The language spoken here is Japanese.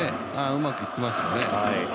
うまくやってますよね。